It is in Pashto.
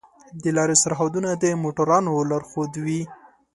د لارې سرحدونه د موټروانو لارښود وي.